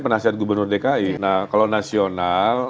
penasihat gubernur dki nah kalau nasional